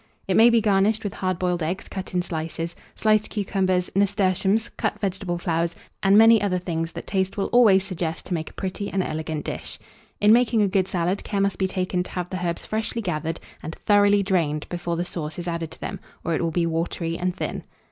It may be garnished with hard boiled eggs, cut in slices, sliced cucumbers, nasturtiums, cut vegetable flowers, and many other things that taste will always suggest to make a pretty and elegant dish. In making a good salad, care must be taken to have the herbs freshly gathered, and thoroughly drained before the sauce is added to them, or it will be watery and thin.